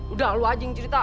udah lo aja yang cerita